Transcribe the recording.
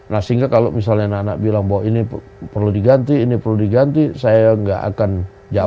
nah sehingga kalau misalnya nana bilang bahwa ini perlu diganti ini perlu diganti saya nggak akan jawab